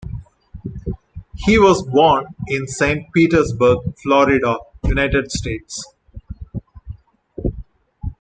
He was born in Saint Petersburg, Florida, United States.